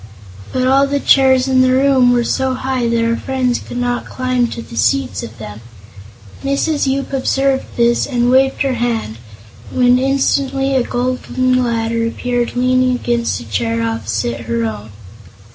But all the chairs in the room were so high that our friends could not climb to the seats of them. Mrs. Yoop observed this and waved her hand, when instantly a golden ladder appeared leaning against a chair opposite her own.